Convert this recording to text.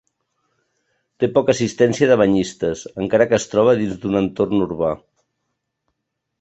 Té poca assistència de banyistes, encara que es troba dins d'un entorn urbà.